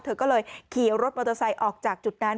เธอก็เลยขี่รถมอเตอร์ไซค์ออกจากจุดนั้น